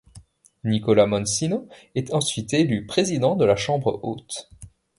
Nicola Mancino est ensuite élu président de la chambre haute.